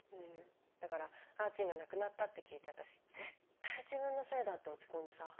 だからあーちんが亡くなったって聞いて私絶対自分のせいだって落ち込んでさ。